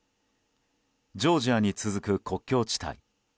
ジョージアに続く国境地帯。